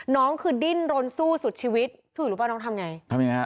น้องคือดิ้นรนสู้สุดชีวิตถูกรู้ป่ะน้องทำไงทำไงครับ